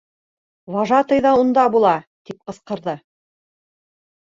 Вожатый ҙа унда була! -тип ҡысҡырҙы.